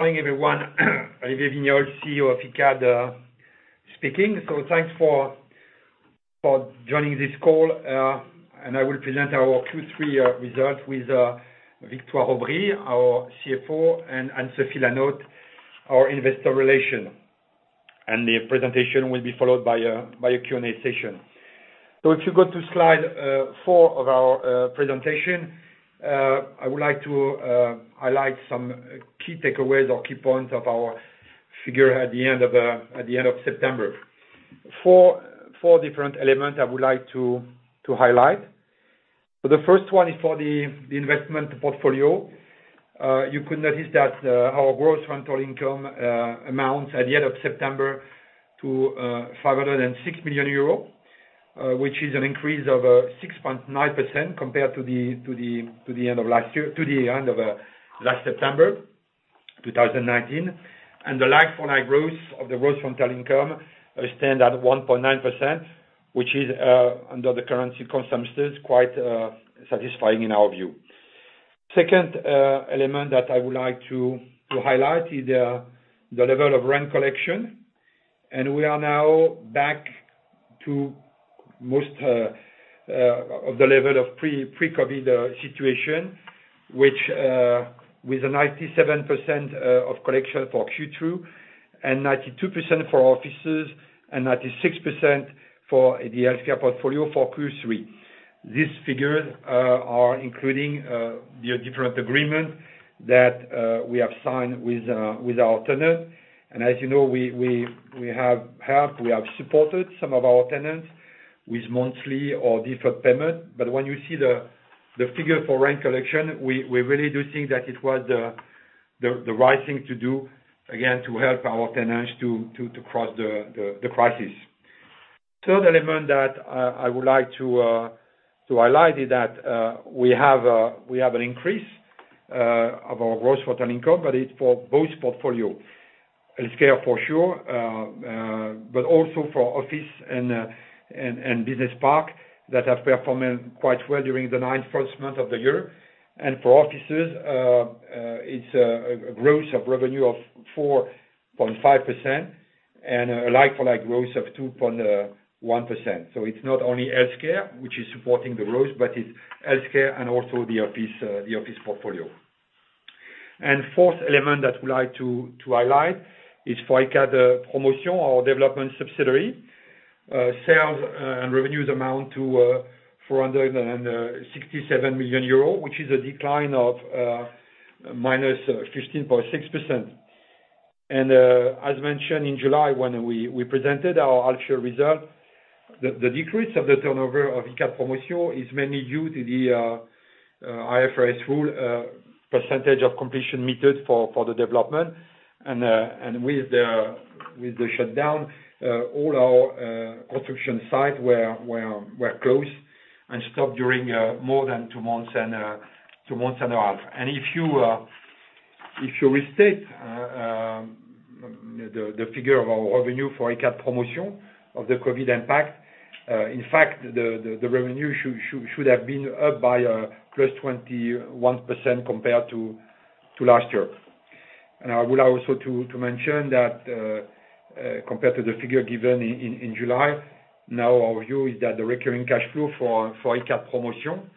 Morning, everyone. Olivier Wigniolle, CEO of Icade speaking. Thanks for joining this call. I will present our Q3 results with Victoire Aubry, our CFO, and Anne-Sophie Lanaute, our Investor Relation. The presentation will be followed by a Q&A session. If you go to slide four of our presentation, I would like to highlight some key takeaways or key points of our figure at the end of September. Four different elements I would like to highlight. The first one is for the investment portfolio. You could notice that our gross rental income amounts at the end of September to 506 million euros, which is an increase of 6.9% compared to the end of last September 2019. The like-for-like growth of the gross rental income stand at 1.9%, which is, under the current circumstances, quite satisfying in our view. Second element that I would like to highlight is the level of rent collection. We are now back to most of the level of pre-COVID situation, with a 97% of collection for Q2 and 92% for offices and 96% for the healthcare portfolio for Q3. These figures are including the different agreement that we have signed with our tenant. As you know, we have helped, we have supported some of our tenants with monthly or deferred payment. When you see the figure for rent collection, we really do think that it was the right thing to do, again, to help our tenants to cross the crisis. Third element that I would like to highlight is that we have an increase of our gross rental income, but it's for both portfolio. Healthcare for sure, but also for office and business park that have performed quite well during the nine first month of the year. For offices, it's a growth of revenue of 4.5% and a like-for-like growth of 2.1%. It's not only healthcare which is supporting the growth, but it's healthcare and also the office portfolio. Fourth element that we like to highlight is for Icade Promotion, our development subsidiary. Sales and revenues amount to 467 million euros, which is a decline of -15.6%. As mentioned in July when we presented our half year result, the decrease of the turnover of Icade Promotion is mainly due to the IFRS Percentage of Completion method for the development. With the shutdown, all our construction sites were closed and stopped during more than two months and a half. If you restate the figure of our revenue for Icade Promotion of the COVID impact, in fact, the revenue should have been up by +21% compared to last year. I would like also to mention that, compared to the figure given in July, now our view is that the recurring cash flow for Icade Promotion,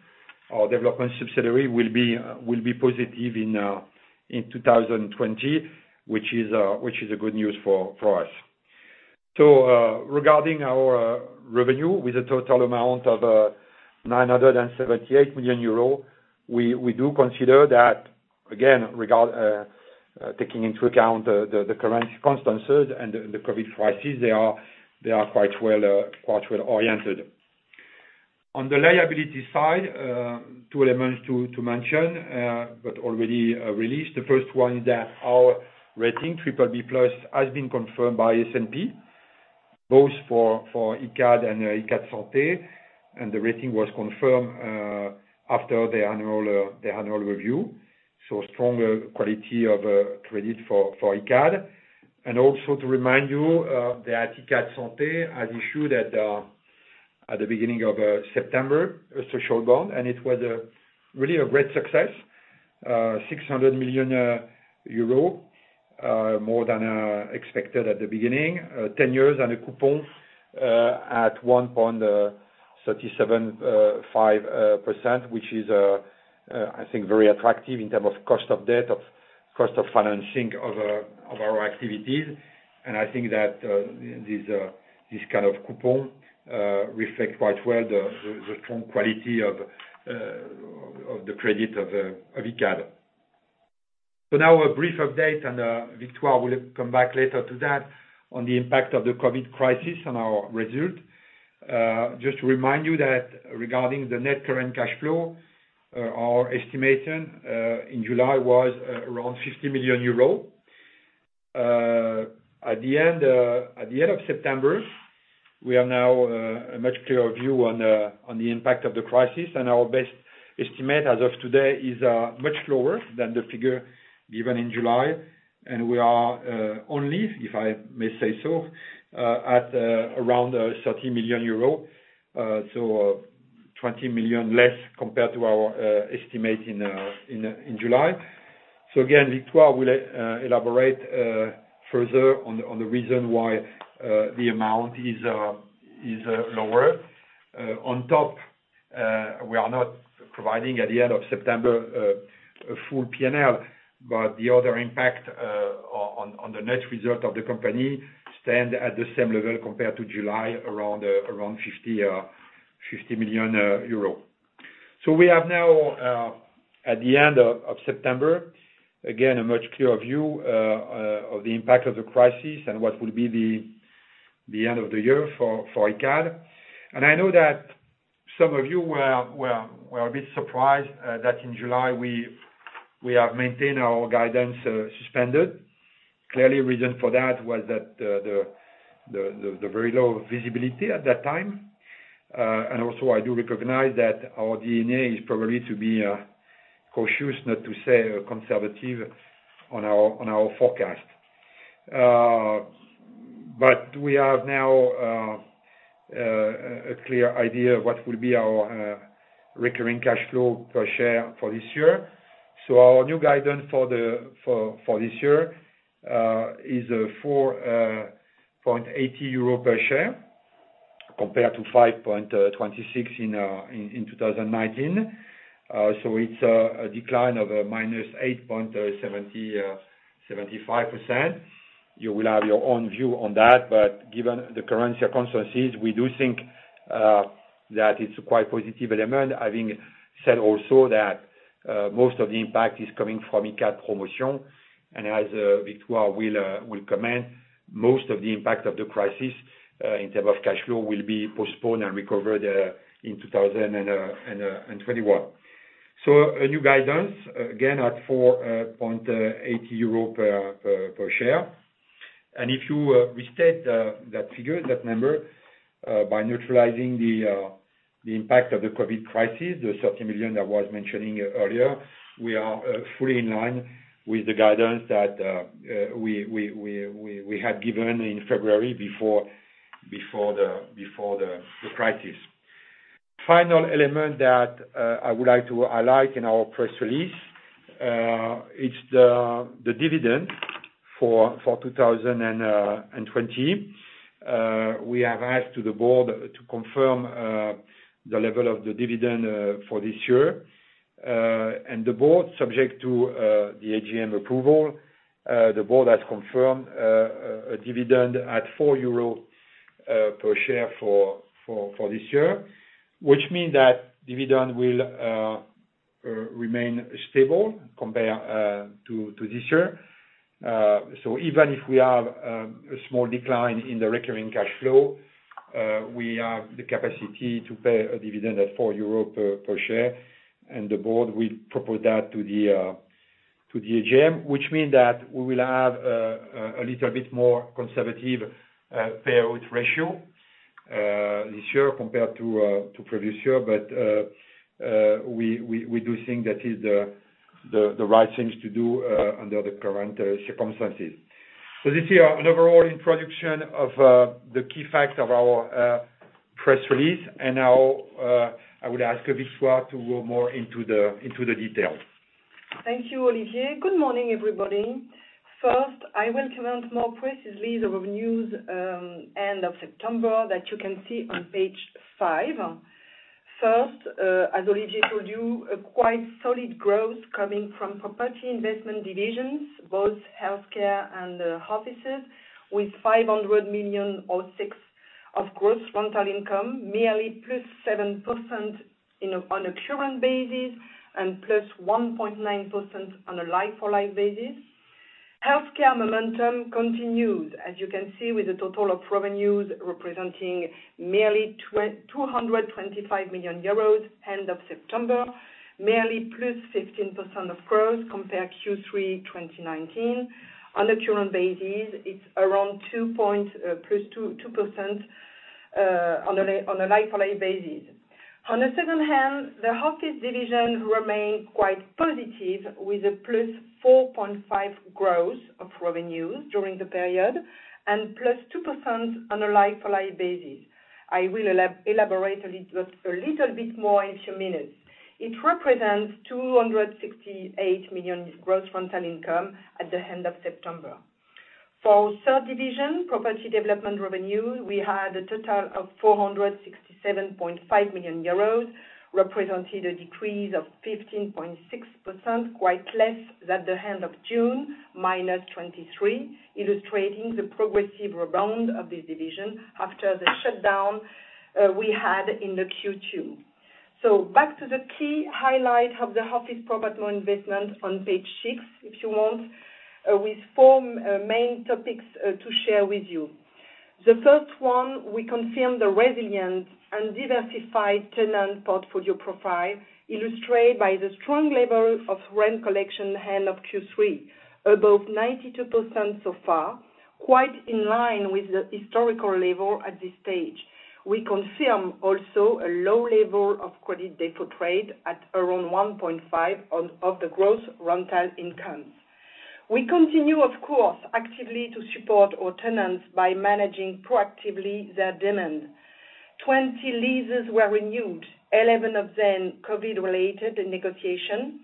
our development subsidiary, will be positive in 2020, which is a good news for us. Regarding our revenue with a total amount of 978 million euro, we do consider that, again, taking into account the current circumstances and the COVID crisis, they are quite well oriented. On the liability side, two elements to mention, but already released. The first one is that our rating, BBB+, has been confirmed by S&P, both for Icade and Icade Santé. The rating was confirmed after their annual review. Stronger quality of credit for Icade. Also to remind you, that Icade Santé has issued at the beginning of September, a social bond, and it was really a great success. 600 million euro, more than expected at the beginning. 10 years and a coupon at 1.375%, which is, I think, very attractive in terms of cost of debt, of cost of financing of our activities. I think that this kind of coupon reflect quite well the strong quality of the credit of Icade. Now a brief update, and Victoire will come back later to that, on the impact of the COVID crisis on our result. Just to remind you that regarding the net current cash flow, our estimation in July was around 50 million euro. At the end of September, we have now a much clearer view on the impact of the crisis. Our best estimate as of today is much lower than the figure given in July. We are only, if I may say so, at around 30 million euro. 20 million less compared to our estimate in July. Again, Victoire will elaborate further on the reason why the amount is lower. On top, we are not providing at the end of September a full P&L, but the other impact on the net result of the company stand at the same level compared to July, around 50 million euro. We have now, at the end of September, again, a much clearer view of the impact of the crisis and what will be the end of the year for Icade. I know that some of you were a bit surprised that in July we have maintained our guidance suspended. Clearly, the reason for that was the very low visibility at that time. Also I do recognize that our DNA is probably to be cautious, not to say conservative, on our forecast. We have now a clear idea of what will be our recurring cash flow per share for this year. Our new guidance for this year is 4.80 euro per share, compared to 5.26 in 2019. It's a decline of -8.75%. You will have your own view on that. Given the current circumstances, we do think that it's a quite positive element, having said also that most of the impact is coming from Icade Promotions. As Victoire will comment, most of the impact of the crisis, in terms of cash flow, will be postponed and recovered in 2021. A new guidance, again, at 4.80 euro per share. If you restate that figure, that number, by neutralizing the impact of the COVID crisis, the 30 million I was mentioning earlier, we are fully in line with the guidance that we had given in February before the crisis. Final element that I would like to highlight in our press release, it's the dividend for 2020. We have asked the board to confirm the level of the dividend for this year. Subject to the AGM approval, the board has confirmed a dividend at 4 euro per share for this year, which means that dividend will remain stable compared to this year. Even if we have a small decline in the recurring cash flow, we have the capacity to pay a dividend at 4 euro per share. The board will propose that to the AGM, which means that we will have a little bit more conservative payout ratio this year compared to previous year. We do think that is the right thing to do under the current circumstances. This is an overall introduction of the key facts of our press release. Now, I would ask Victoire to go more into the details. Thank you, Olivier. Good morning, everybody. First, I will comment more precisely the revenues end of September that you can see on page five. First, as Olivier told you, a quite solid growth coming from property investment divisions, both healthcare and offices, with 500 million or six of gross rental income, merely +7% on a current basis and +1.9% on a like-for-like basis. Healthcare momentum continued, as you can see, with a total of revenues representing merely 225 million euros end of September, merely +15% of growth compared Q3 2019. On a current basis, it is around +2% on a like-for-like basis. On the second hand, the office division remained quite positive with a +4.5% growth of revenues during the period and +2% on a like-for-like basis. I will elaborate a little bit more in a few minutes. It represents 268 million gross rental income at the end of September. For third division, property development revenue, we had a total of 467.5 million euros, representing a decrease of 15.6%, quite less than the end of June, -23%, illustrating the progressive rebound of this division after the shutdown we had in the Q2. Back to the key highlight of the office property investment on page six, if you want, with four main topics to share with you. The first one, we confirm the resilient and diversified tenant portfolio profile, illustrated by the strong level of rent collection end of Q3, above 92% so far, quite in line with the historical level at this stage. We confirm also a low level of credit default rate at around 1.5% of the gross rental income. We continue, of course, actively to support our tenants by managing proactively their demand. 20 leases were renewed, 11 of them COVID-related negotiation,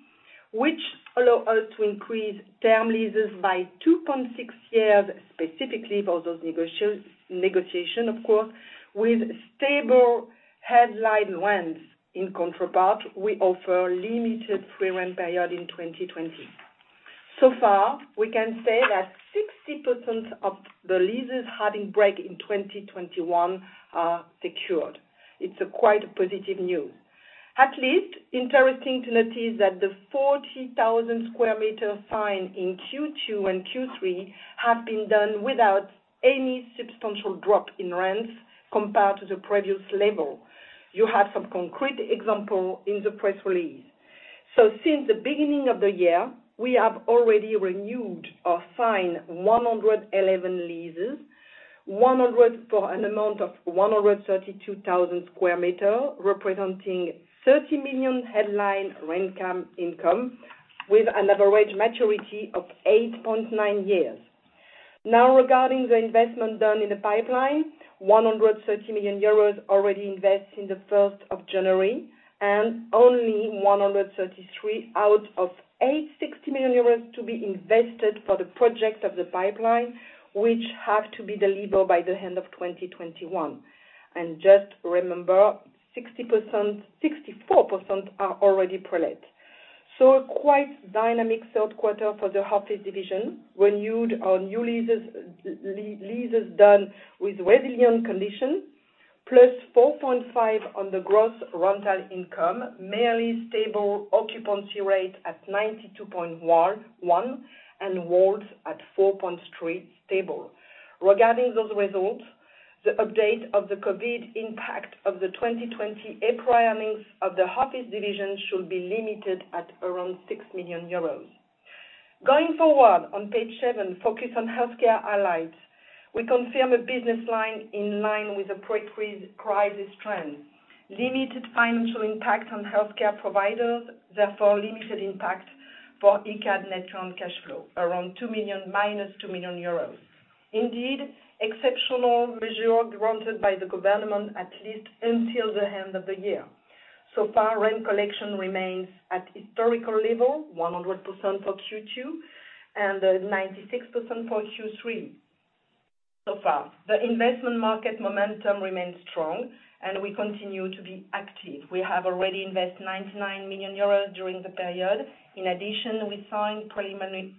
which allow us to increase term leases by 2.6 years, specifically for those negotiation, of course, with stable headline rents. In counterpart, we offer limited free rent period in 2020. So far, we can say that 60% of the leases having break in 2021 are secured. It is quite a positive news. At least, interesting to notice that the 40,000 sq m signed in Q2 and Q3 have been done without any substantial drop in rents compared to the previous level. You have some concrete example in the press release. Since the beginning of the year, we have already renewed or signed 111 leases, for an amount of 132,000 sq m, representing 30 million headline rent income, with an average maturity of 8.9 years. Regarding the investment done in the pipeline, 130 million euros already invested on the 1st of January, only 133 million out of 860 million euros to be invested for the projects in the pipeline, which have to be delivered by the end of 2021. Just remember, 64% are already prelet. A quite dynamic third quarter for the office division, renewed on new leases done with resilient condition, +4.5% on the gross rental income, merely stable occupancy rate at 92.1% and WALT at 4.3 years, stable. Regarding those results, the update of the COVID impact of the 2020 earnings of the office division should be limited at around 6 million euros. Going forward, on page seven, focus on healthcare assets. We confirm a business line in line with the pre-crisis trend. Limited financial impact on healthcare providers, therefore limited impact for Icade net current cash flow, around minus 2 million euros. Indeed, exceptional measures granted by the government at least until the end of the year. Rent collection remains at historical level, 100% for Q2 and 96% for Q3 so far. The investment market momentum remains strong. We continue to be active. We have already invested 99 million euros during the period. In addition, we signed preliminary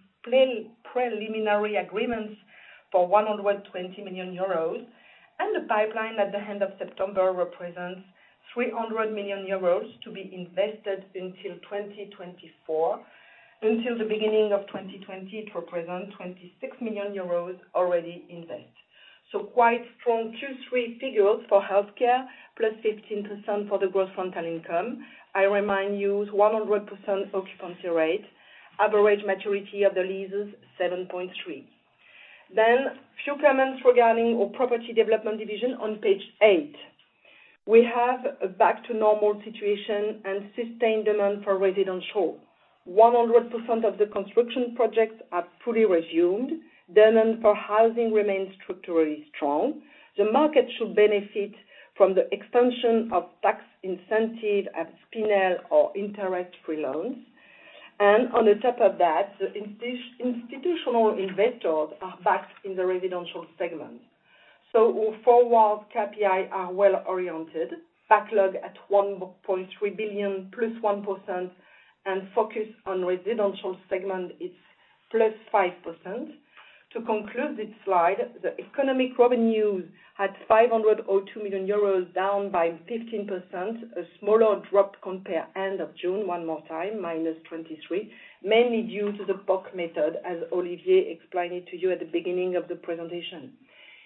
agreements for 120 million euros. The pipeline at the end of September represents 300 million euros to be invested until 2024. Until the beginning of 2020, it represents 26 million euros already invested. Quite strong Q3 figures for healthcare, +15% for the gross rental income. I remind you, 100% occupancy rate. Average maturity of the leases, 7.3 years. Few comments regarding our property development division on page eight. We have a back-to-normal situation and sustained demand for residential. 100% of the construction projects are fully resumed. Demand for housing remains structurally strong. The market should benefit from the extension of tax incentives like Pinel law or interest-free loans. On the top of that, the institutional investors are back in the residential segment. Our four walls KPI are well-oriented. Backlog at 1.3 billion, +1%. Focus on residential segment, it's +5%. To conclude this slide, the economic revenues at 502 million euros, down by 15%, a smaller drop compared to end of June, one more time, minus 23%, mainly due to the POC method, as Olivier explained it to you at the beginning of the presentation.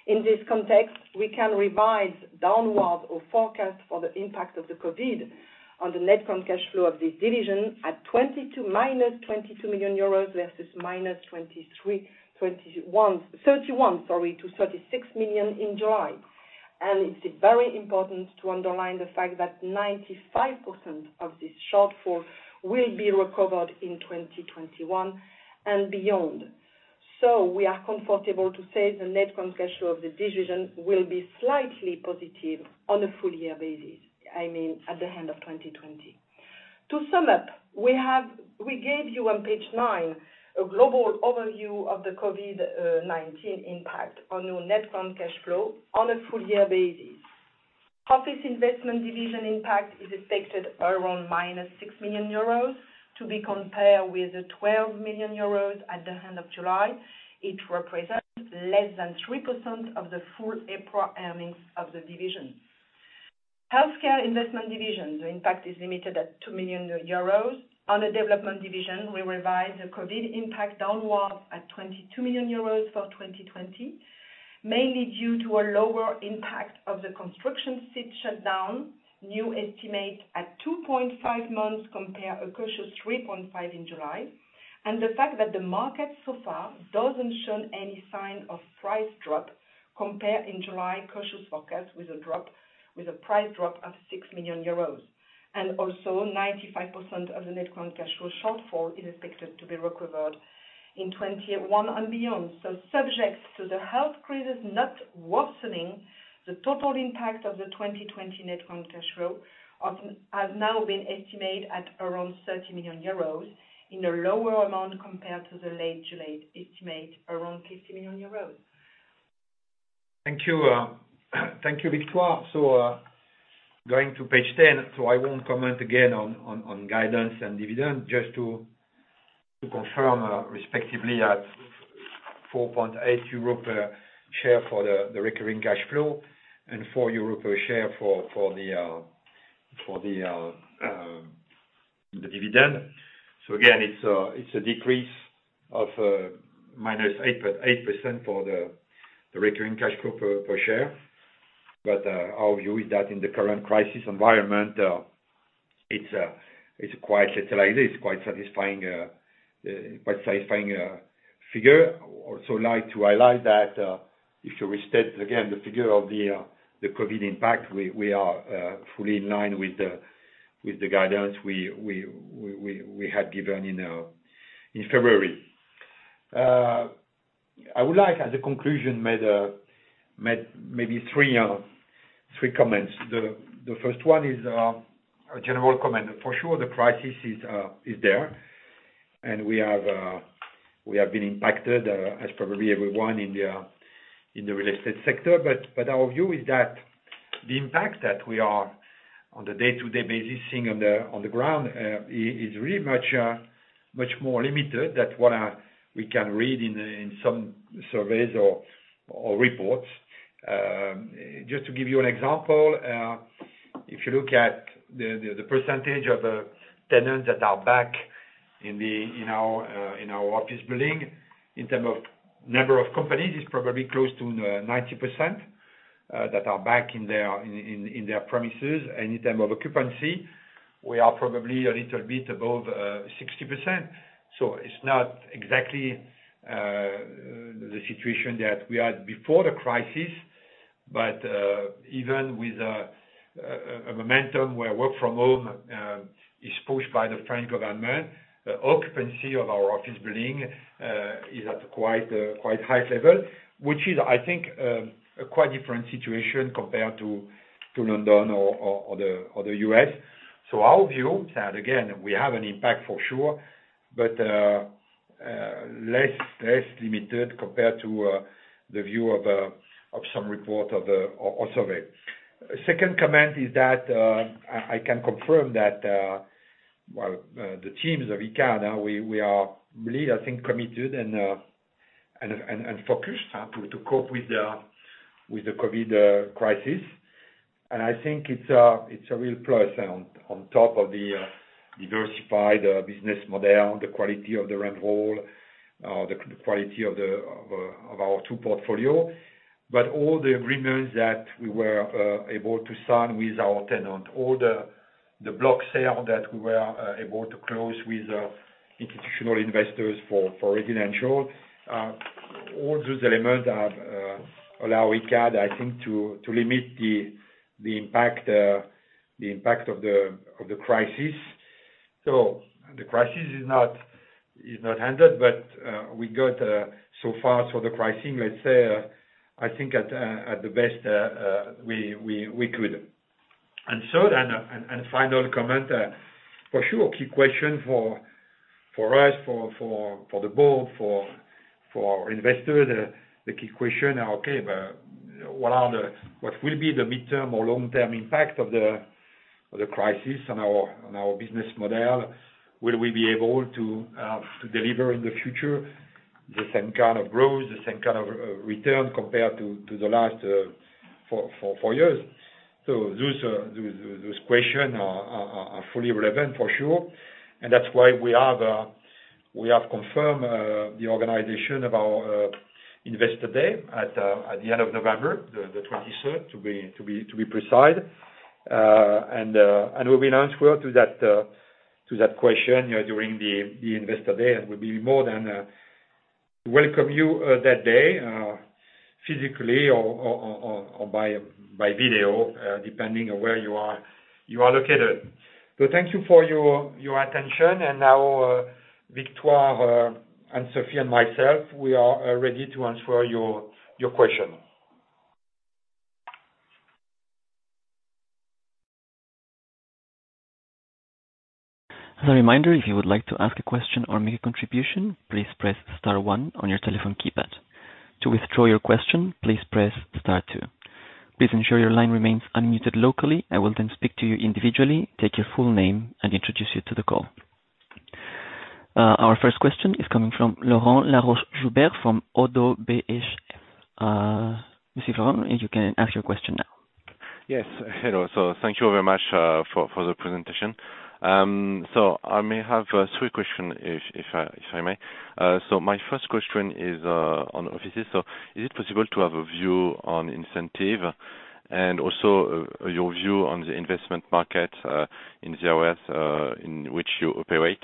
In this context, we can revise downward our forecast for the impact of the COVID on the net current cash flow of this division at minus 22 million euros versus minus 31 million to 36 million in July. It's very important to underline the fact that 95% of this shortfall will be recovered in 2021 and beyond. We are comfortable to say the net current cash flow of the division will be slightly positive on a full-year basis, I mean, at the end of 2020. To sum up, we gave you on page nine a global overview of the COVID-19 impact on your net current cash flow on a full-year basis. Office investment division impact is expected around minus 6 million euros to be compared with the 12 million euros at the end of July. It represents less than 3% of the full FY earnings of the division. Healthcare investment division, the impact is limited at 2 million euros. On the development division, we revised the COVID impact downwards at 22 million euros for 2020, mainly due to a lower impact of the construction site shutdown. New estimate at 2.5 months compared a cautious 3.5 in July. The fact that the market so far hasn't shown any sign of price drop compared in July cautious forecast with a price drop of 6 million euros. Also, 95% of the net cash flow shortfall is expected to be recovered in 2021 and beyond. Subject to the health crisis not worsening, the total impact of the 2020 net cash flow has now been estimated at around 30 million euros, in a lower amount compared to the late estimate, around 15 million euros. Thank you, Victoire. Going to page 10. I won't comment again on guidance and dividend, just to confirm, respectively, at 4.8 euro per share for the recurring cash flow and 4 euro per share for the dividend. Again, it's a decrease of -8% for the recurring cash flow per share. Our view is that in the current crisis environment, it's quite satisfying figure. Also like to highlight that, if you restate again the figure of the COVID impact, we are fully in line with the guidance we had given in February. I would like, as a conclusion, maybe three comments. The first one is a general comment. For sure, the crisis is there, and we have been impacted, as probably everyone in the real estate sector. Our view is that the impact that we are, on the day-to-day basis, seeing on the ground, is really much more limited than what we can read in some surveys or reports. Just to give you an example, if you look at the percentage of tenants that are back in our office building, in terms of number of companies, it's probably close to 90% that are back in their premises. In terms of occupancy, we are probably a little bit above 60%. It's not exactly the situation that we had before the crisis, but even with a momentum where work from home is pushed by the French government, the occupancy of our office building is at a quite high level, which is, I think, a quite different situation compared to London or the U.S. Our view is that, again, we have an impact for sure, but less limited compared to the view of some report or survey. Second comment is that I can confirm that the teams of Icade, we are really, I think, committed and focused to cope with the COVID crisis. I think it's a real plus on top of the diversified business model, the quality of the rent roll, the quality of our two portfolios. All the agreements that we were able to sign with our tenants, all the block sales that we were able to close with institutional investors for residential. All those elements have allowed Icade, I think, to limit the impact of the crisis. The crisis is not handled, but we got so far, the pricing, let's say, I think at the best we could. Third, and final comment, for sure, key question for us, for the board, for investors, the key question, okay, what will be the midterm or long-term impact of the crisis on our business model? Will we be able to deliver in the future the same kind of growth, the same kind of return compared to the last four years? Those questions are fully relevant, for sure. That's why we have confirmed the organization of our investor day at the end of November, the 23rd, to be precise. We will answer to that question during the investor day, and we'll be more than welcome you that day, physically or by video, depending on where you are located. Thank you for your attention. Now, Victoire and Sophie, and myself, we are ready to answer your question. As a reminder, if you would like to ask a question or make a contribution, please press star 1 on your telephone keypad. To withdraw your question, please press star 2. Please ensure your line remains unmuted locally. I will then speak to you individually, take your full name, and introduce you to the call. Our first question is coming from Florent Laroche-Joubert from ODDO BHF. Mr. Laurent, you can ask your question now. Yes. Hello. Thank you very much for the presentation. I may have three questions, if I may. My first question is on offices. Is it possible to have a view on incentive, and also your view on the investment market in the areas in which you operate?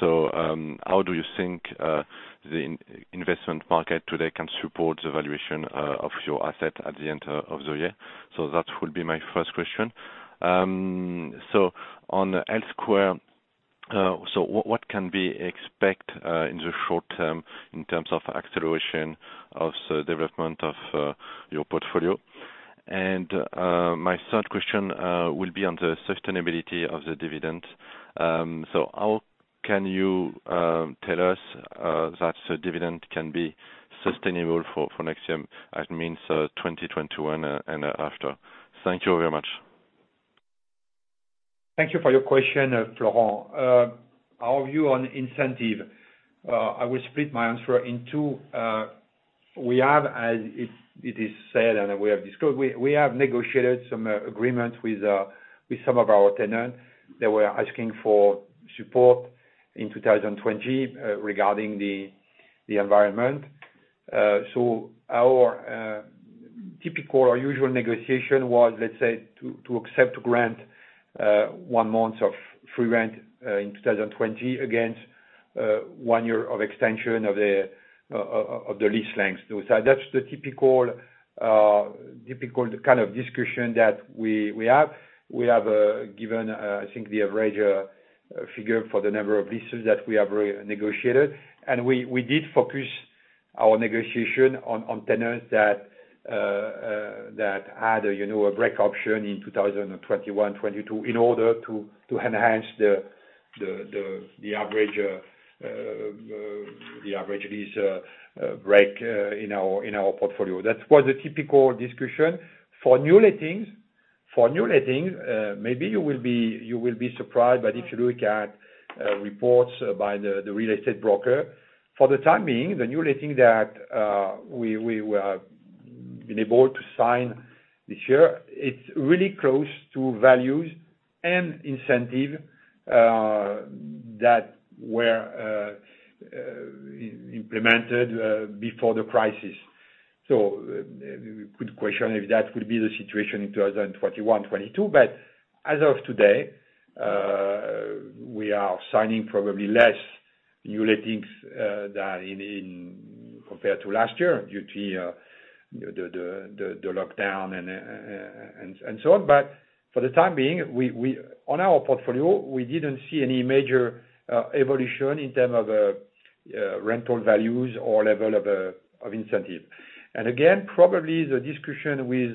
How do you think the investment market today can support the valuation of your asset at the end of the year? That will be my first question. On Icade Santé, what can we expect in the short term in terms of acceleration of the development of your portfolio? My third question will be on the sustainability of the dividend. How can you tell us that the dividend can be sustainable for next year, that means 2021 and after? Thank you very much. Thank you for your question, Florent. Our view on incentive, I will split my answer in two. We have, as it is said, and we have discussed, we have negotiated some agreements with some of our tenants that were asking for support in 2020 regarding the environment. Our typical or usual negotiation was, let's say, to accept grant one month of free rent in 2020 against one year of extension of the lease length. That's the typical kind of discussion that we have. We have given, I think, the average figure for the number of leases that we have negotiated, and we did focus our negotiation on tenants that had a break option in 2021, 2022 in order to enhance the average lease break in our portfolio. That was a typical discussion. For new lettings, maybe you will be surprised, but if you look at reports by the real estate broker, for the time being, the new letting that we have been able to sign this year, it's really close to values and incentive that were implemented before the crisis. Good question if that will be the situation in 2021, 2022. As of today, we are signing probably less new lettings compared to last year due to the lockdown and so on. For the time being, on our portfolio, we didn't see any major evolution in terms of rental values or level of incentive. Again, probably the discussion with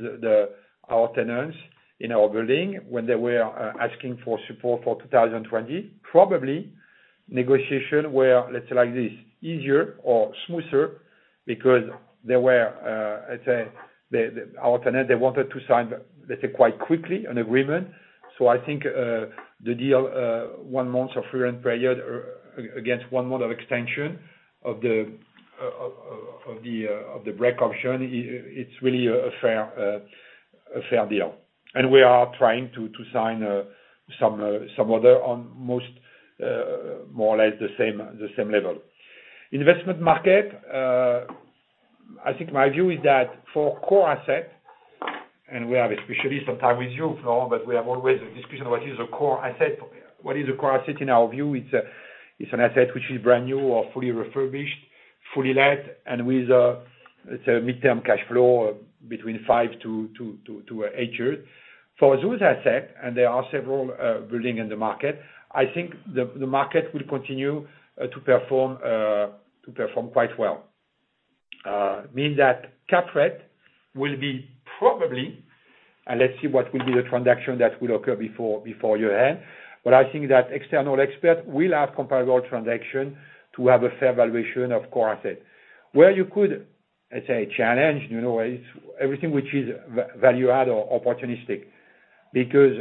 our tenants in our building when they were asking for support for 2020, probably negotiation were, let's say like this, easier or smoother because our tenant, they wanted to sign, let's say quite quickly an agreement. I think, the deal, one month of free rent period against one month of extension of the break option, it's really a fair deal. We are trying to sign some other on more or less the same level. Investment market, I think my view is that for core asset, and we have especially some time with you, Florent, but we have always a discussion what is a core asset? What is a core asset in our view, it's an asset which is brand new or fully refurbished, fully let, and with a midterm cash flow between five to eight years. For those assets, and there are several buildings in the market, I think the market will continue to perform quite well. Means that capitalization rate will be probably, and let's see what will be the transaction that will occur before year-end. I think that external experts will have comparable transaction to have a fair valuation of core asset. Where you could, let's say, challenge, everything which is value add or opportunistic because,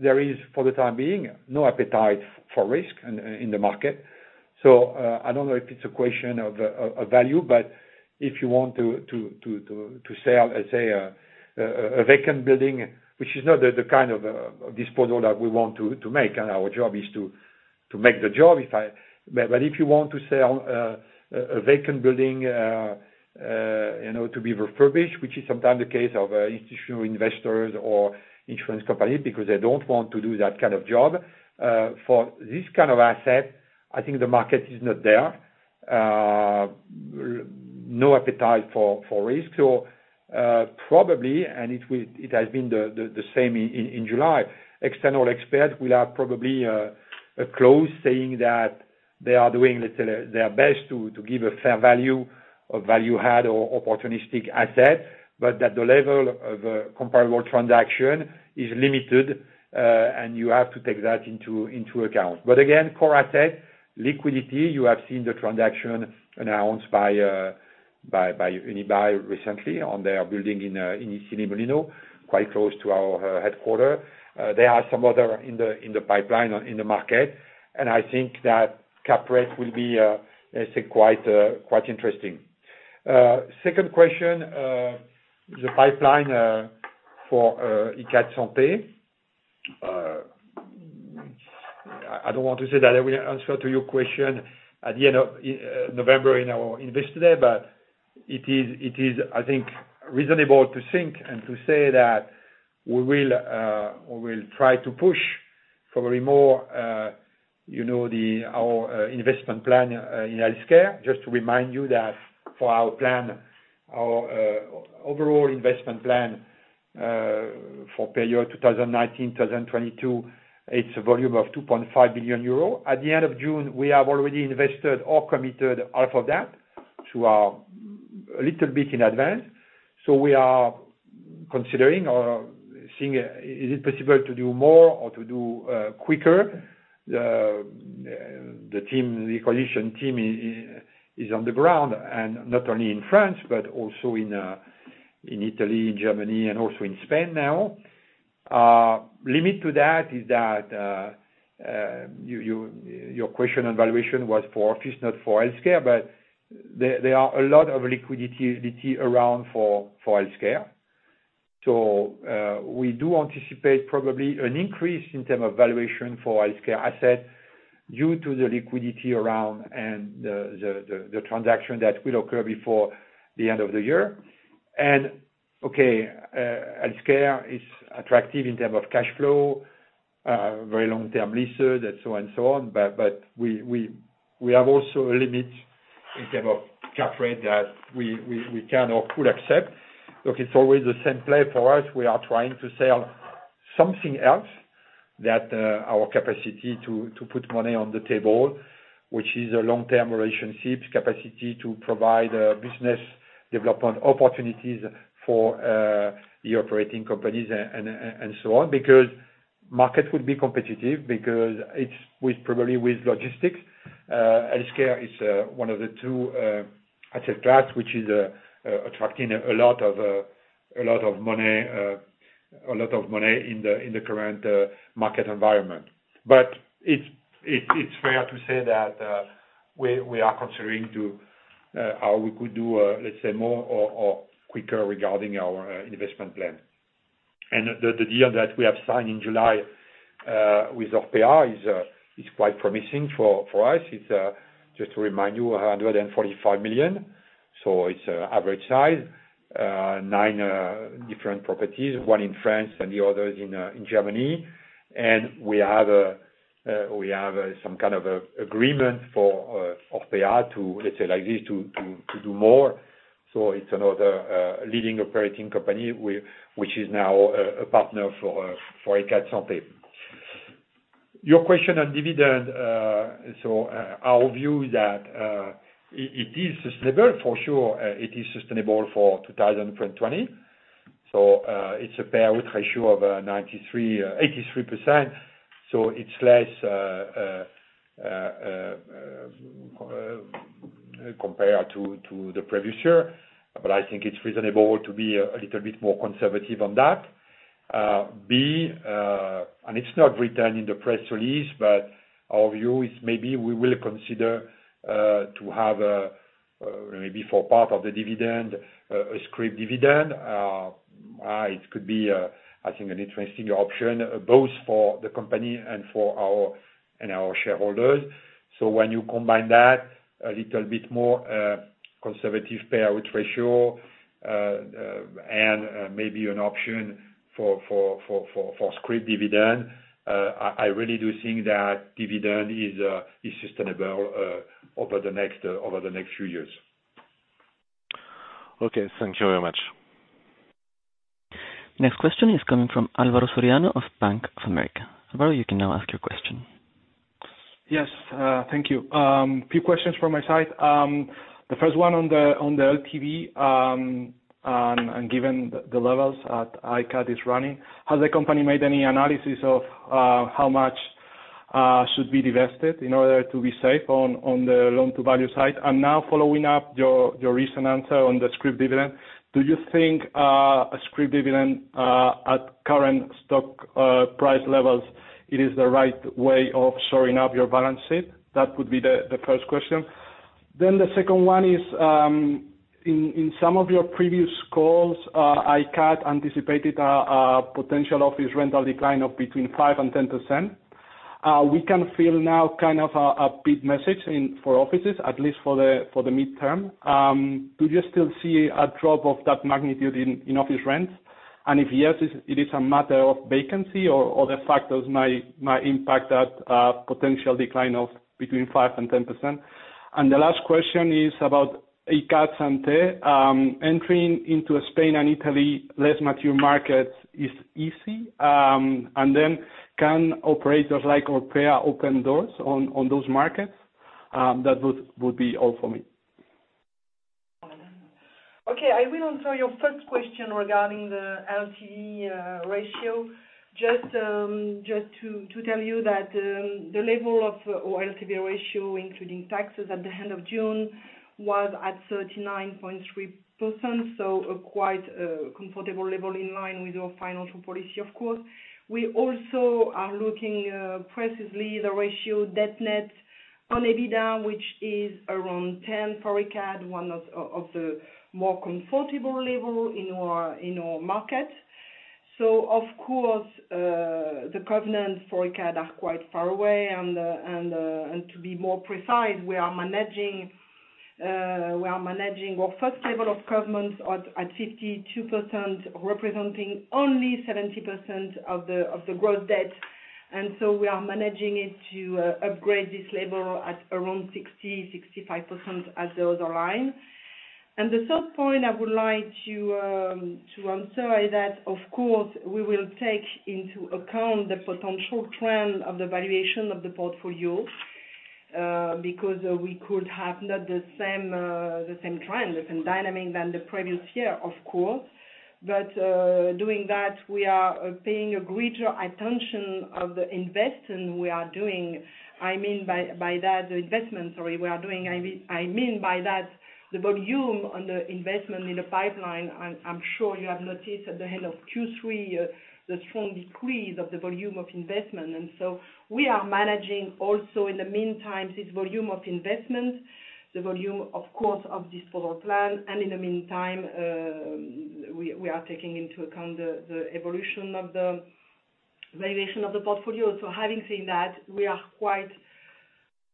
there is, for the time being, no appetite for risk in the market. I don't know if it's a question of value, but if you want to sell, let's say a vacant building, which is not the kind of disposal that we want to make, and our job is to make the job. If you want to sell a vacant building to be refurbished, which is sometimes the case of institutional investors or insurance companies because they don't want to do that kind of job. For this kind of asset, I think the market is not there. No appetite for risk. Probably, and it has been the same in July, external experts will have probably a clause saying that they are doing, let's say, their best to give a fair value of value add or opportunistic asset, but that the level of comparable transaction is limited, and you have to take that into account. Again, core asset liquidity, you have seen the transaction announced by Unibail-Rodamco-Westfield recently on their building in Issy-les-Moulineaux, quite close to our headquarter. There are some other in the pipeline in the market, I think that capitalization rate will be, let's say, quite interesting. Second question, the pipeline, for Icade Santé. I don't want to say that I will answer to your question at the end of November in our Investor Day. It is, I think, reasonable to think and to say that we will try to push probably more our investment plan in healthcare. Just to remind you that for our plan, our overall investment plan for period 2019-2022, it's a volume of 2.5 billion euros. At the end of June, we have already invested or committed half of that, so we are a little bit in advance. We are considering or seeing, is it possible to do more or to do quicker? The coalition team is on the ground, not only in France but also in Italy, in Germany, and also in Spain now. Limit to that is that your question on valuation was for office, not for healthcare, but there are a lot of liquidity around for healthcare. We do anticipate probably an increase in terms of valuation for healthcare assets due to the liquidity around and the transaction that will occur before the end of the year. Okay, healthcare is attractive in terms of cash flow, very long-term leases, and so on. We have also a limit in terms of capitalization rate that we can or could accept. Look, it's always the same play for us. We are trying to sell something else that our capacity to put money on the table, which is long-term relationships, capacity to provide business development opportunities for the operating companies and so on, because markets would be competitive, because probably with logistics. Healthcare is one of the two asset class, which is attracting a lot of money in the current market environment. It's fair to say that we are considering how we could do, let's say, more or quicker regarding our investment plan. The deal that we have signed in July, with ORPEA is quite promising for us. Just to remind you, 145 million. It's average size, nine different properties, one in France and the others in Germany. We have some kind of agreement for ORPEA to, let's say, like this, to do more. It's another leading operating company, which is now a partner for Icade Santé. Your question on dividend. Our view is that, it is sustainable, for sure. It is sustainable for 2022. It's a payout ratio of 83%, so it's less compared to the previous year. I think it's reasonable to be a little bit more conservative on that. B. It's not written in the press release. Our view is maybe we will consider to have maybe for part of the dividend, a scrip dividend. It could be, I think, an interesting option both for the company and for our shareholders. When you combine that a little bit more conservative payout ratio, and maybe an option for scrip dividend, I really do think that dividend is sustainable over the next few years. Okay. Thank you very much. Next question is coming from Alvaro Soriano of Bank of America. Alvaro, you can now ask your question. Yes. Thank you. Few questions from my side. The first one on the LTV, given the levels that Icade is running, has the company made any analysis of how much should be divested in order to be safe on the loan-to-value side? Now following up your recent answer on the scrip dividend, do you think a scrip dividend at current stock price levels, it is the right way of shoring up your balance sheet? That would be the first question. The second one is, in some of your previous calls, Icade anticipated a potential office rental decline of between 5% and 10%. We can feel now a bit message for offices, at least for the midterm. Do you still see a drop of that magnitude in office rents? If yes, it is a matter of vacancy or other factors might impact that potential decline of between 5% and 10%? The last question is about Icade Santé. Entering into Spain and Italy, less mature markets is easy. Can operators like ORPEA open doors on those markets? That would be all for me. Okay. I will answer your first question regarding the LTV ratio. Just to tell you that the level of LTV ratio, including taxes at the end of June, was at 39.3%, so quite a comfortable level in line with our financial policy, of course. We also are looking precisely the ratio debt net on EBITDA, which is around 10 for Icade, one of the more comfortable level in our market. Of course, the covenants for Icade are quite far away, and to be more precise, we are managing our first level of covenants at 52%, representing only 70% of the gross debt. We are managing it to upgrade this level at around 60%-65% as the other line. The third point I would like to answer is that, of course, we will take into account the potential trend of the valuation of the portfolio, because we could have not the same trend, the same dynamic than the previous year, of course. Doing that, we are paying a greater attention of the investment we are doing. I mean by that, the volume on the investment in the pipeline. I'm sure you have noticed at the end of Q3, the strong decrease of the volume of investment. We are managing also, in the meantime, this volume of investment, the volume, of course, of this forward plan. In the meantime, we are taking into account the evolution of the valuation of the portfolio. Having said that, we are quite,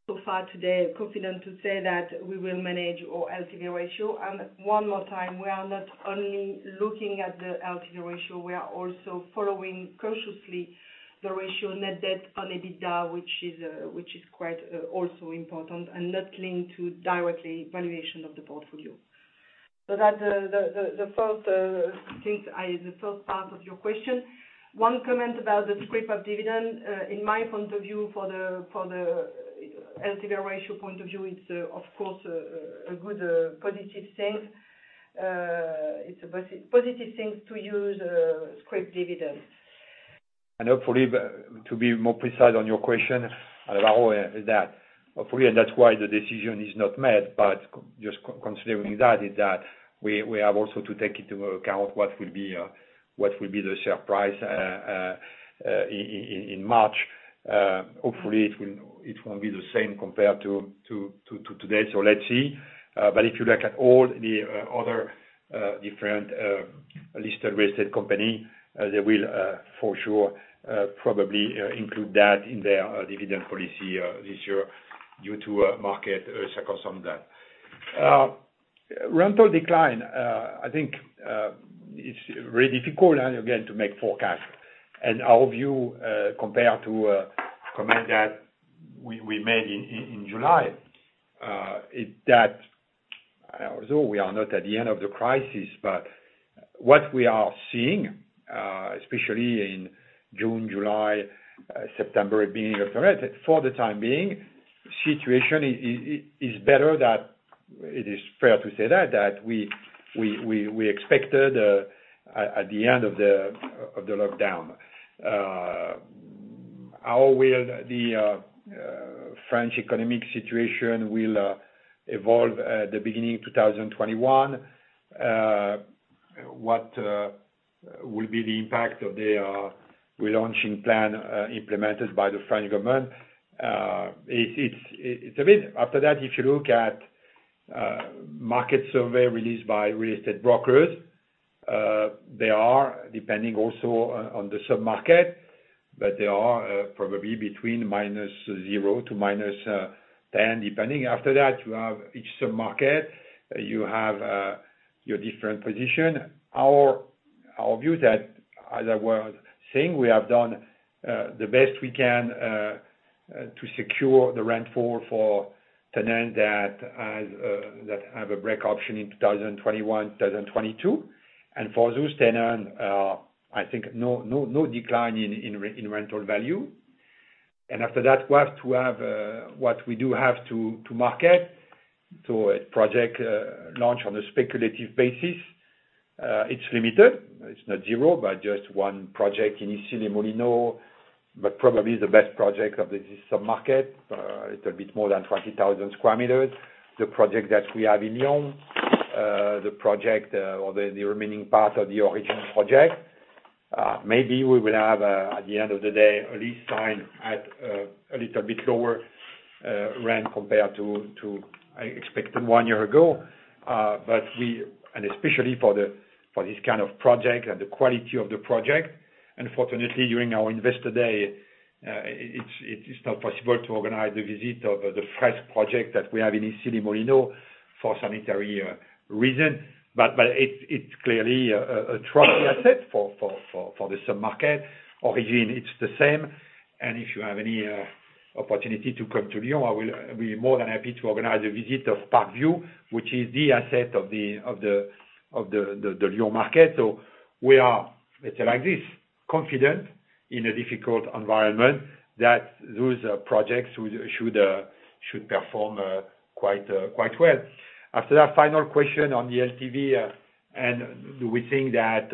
so far today, confident to say that we will manage our LTV ratio. One more time, we are not only looking at the LTV ratio, we are also following cautiously the ratio net debt on EBITDA, which is quite also important and not linked to directly valuation of the portfolio. That's the first part of your question. One comment about the scrip of dividend. In my point of view, for the LTV ratio point of view, it's, of course, a good, positive thing. It's a positive thing to use scrip dividend. Hopefully, to be more precise on your question, is that hopefully, and that's why the decision is not made, but just considering that, we have also to take into account what will be the share price in March. Hopefully, it won't be the same compared to today. Let's see. If you look at all the other different listed real estate company, they will, for sure, probably include that in their dividend policy this year due to market circumstance. Rental decline, I think it's really difficult, and again, to make forecast. Our view, compared to comment that we made in July, is that although we are not at the end of the crisis, but what we are seeing, especially in June, July, September, beginning of the rest, for the time being, situation is better than we expected at the end of the lockdown. How will the French economic situation evolve at the beginning of 2021? What will be the impact of the relaunching plan implemented by the French government? If you look at market survey released by real estate brokers, they are depending also on the sub-market, but they are probably between -0% to -10%, depending. You have each sub-market. You have your different position. Our view is that, as I was saying, we have done the best we can to secure the rent forward for tenants that have a break option in 2021, 2022. For those tenants, I think no decline in rental value. After that, we have to have what we do have to market. A project launch on a speculative basis. It's limited. It's not zero, but just one project in Issy-les-Moulineaux, but probably the best project of this sub-market. A little bit more than 20,000 sq m. The project that we have in Lyon, the project or the remaining part of the Origin project. Maybe we will have, at the end of the day, a lease signed at a little bit lower rent compared to expected one year ago. Especially for this kind of project and the quality of the project, unfortunately, during our investor day, it's not possible to organize the visit of the first project that we have in Issy-les-Moulineaux for sanitary reason. It's clearly a trophy asset for the sub-market. Origin, it's the same. If you have any opportunity to come to Lyon, I will be more than happy to organize a visit of Parc View, which is the asset of the Lyon market. We are, let's say like this, confident in a difficult environment that those projects should perform quite well. After that, final question on the LTV. Do we think that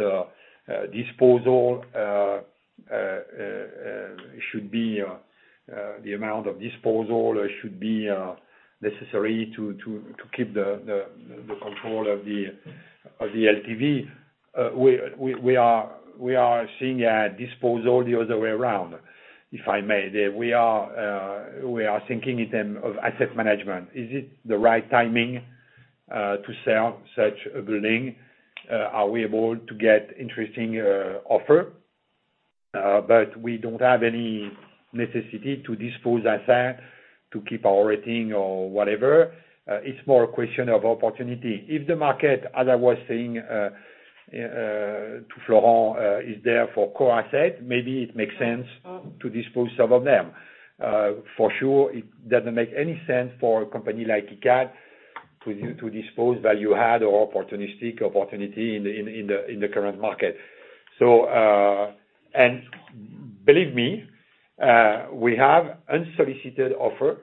the amount of disposal should be necessary to keep the control of the LTV? We are seeing a disposal the other way around, if I may. We are thinking in terms of asset management. Is it the right timing to sell such a building? Are we able to get interesting offers? We don't have any necessity to dispose assets to keep our rating or whatever. It's more a question of opportunity. If the market, as I was saying to Florent, is there for core assets, maybe it makes sense to dispose some of them. For sure, it doesn't make any sense for a company like Icade to dispose value add or opportunistic opportunity in the current market. Believe me, we have unsolicited offers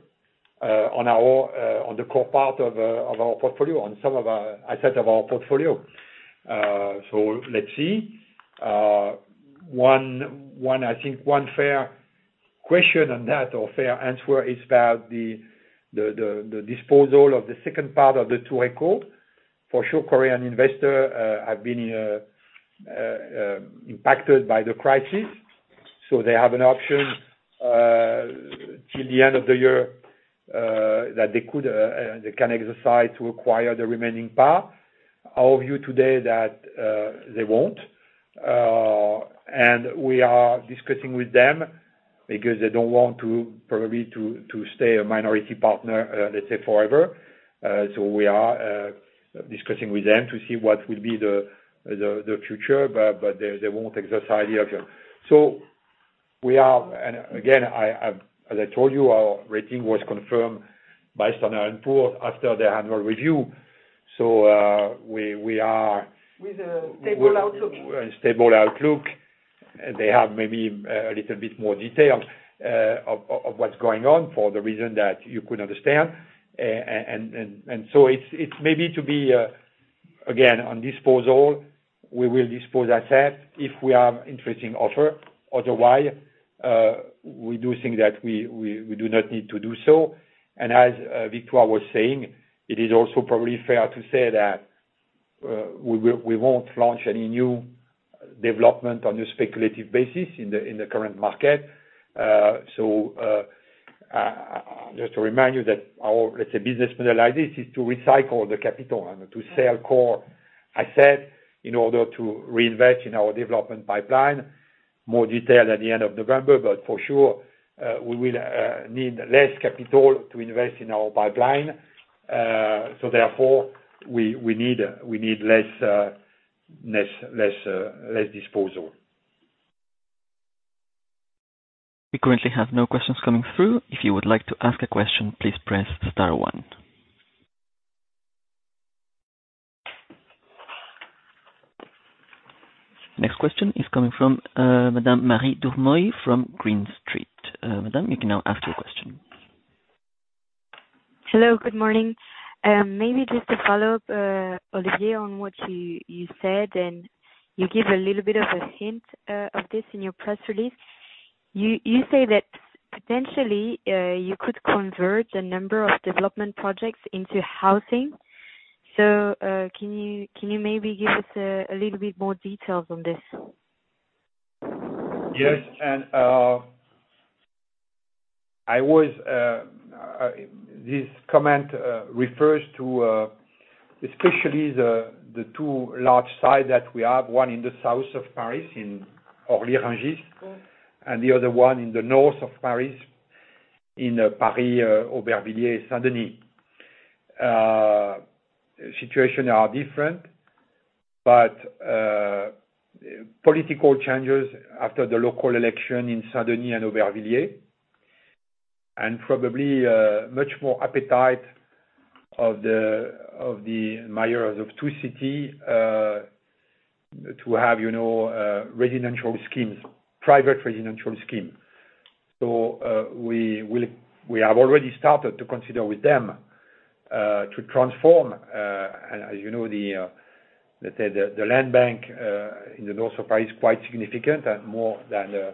on the core part of our portfolio, on some of our assets of our portfolio. Let's see. I think one fair question on that, or fair answer, is about the disposal of the second part of the EQHO Tower. For sure, Korean investor have been impacted by the crisis, so they have an option till the end of the year that they can exercise to acquire the remaining part. Our view today that they won't. We are discussing with them because they don't want to, probably, to stay a minority partner, let's say forever. We are discussing with them to see what will be the future, but they won't exercise the option. Again, as I told you, our rating was confirmed by Standard & Poor's after the annual review. We are- With a stable outlook. Stable outlook. They have maybe a little bit more details of what's going on for the reason that you could understand. It's maybe to be, again, on disposal, we will dispose asset if we have interesting offer. Otherwise, we do think that we do not need to do so. As Victoire was saying, it is also probably fair to say that we won't launch any new development on a speculative basis in the current market. Just to remind you that our, let's say, business model like this is to recycle the capital and to sell core asset in order to reinvest in our development pipeline. More detail at the end of November, for sure, we will need less capital to invest in our pipeline. Therefore, we need less disposal. We currently have no questions coming through. If you would like to ask a question, please press star one. Next question is coming from Madame Marie Deroide from Green Street. Madame, you can now ask your question. Hello, good morning. Maybe just to follow up, Olivier, on what you said, and you give a little bit of a hint of this in your press release. You say that potentially, you could convert a number of development projects into housing. Can you maybe give us a little bit more details on this? Yes. This comment refers to especially the two large sites that we have, one in the south of Paris, in Orly, Rungis, and the other one in the north of Paris, in Paris, Aubervilliers, Saint-Denis. Situations are different, but political changes after the local election in Saint-Denis and Aubervilliers, and probably much more appetite of the mayors of two city to have private residential scheme. We have already started to consider with them to transform. As you know, let's say, the land bank in the north of Paris is quite significant. At more than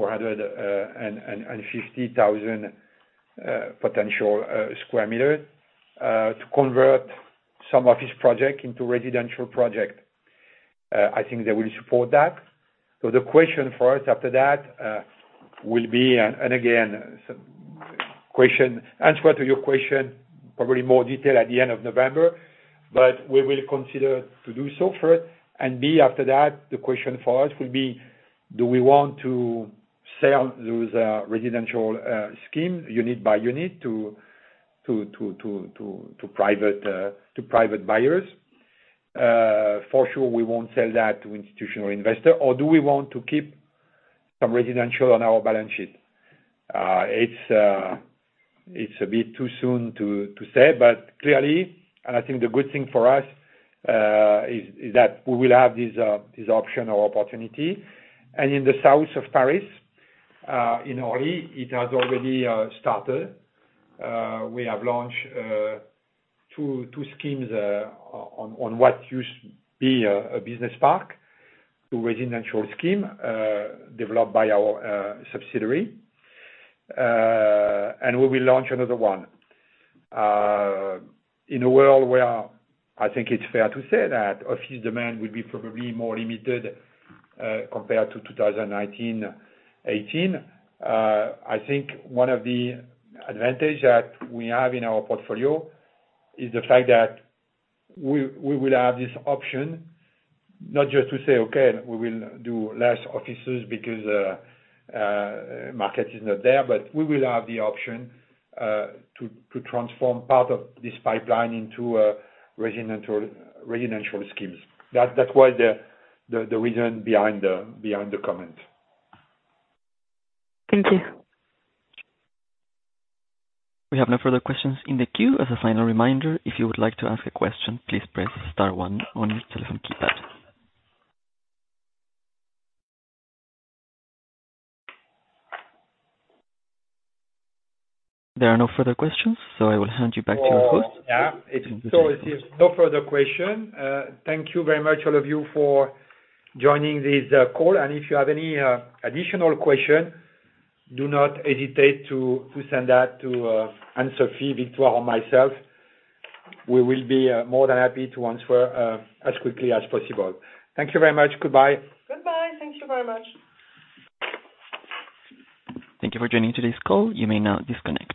450,000 potential sq m, to convert some office project into residential project. I think they will support that. The question for us after that will be, and again, answer to your question, probably more detail at the end of November, but we will consider to do so first, and B, after that, the question for us will be, do we want to sell those residential scheme unit by unit to private buyers? For sure, we won't sell that to institutional investor. Do we want to keep some residential on our balance sheet? It's a bit too soon to say, but clearly, and I think the good thing for us, is that we will have this option or opportunity. In the south of Paris, in Orly, it has already started. We have launched two schemes on what used to be a business park, a residential scheme, developed by our subsidiary. We will launch another one. In a world where I think it's fair to say that office demand will be probably more limited compared to 2019, 2018. I think one of the advantage that we have in our portfolio is the fact that we will have this option, not just to say, okay, we will do less offices because market is not there, but we will have the option to transform part of this pipeline into residential schemes. That was the reason behind the comment. Thank you. We have no further questions in the queue. As a final reminder, if you would like to ask a question, please press star one on your telephone keypad. There are no further questions, I will hand you back to your host. It seems no further question. Thank you very much all of you for joining this call. If you have any additional question, do not hesitate to send that to Anne-Sophie, Victoire, or myself. We will be more than happy to answer as quickly as possible. Thank you very much. Goodbye. Goodbye. Thank you very much. Thank you for joining today's call. You may now disconnect.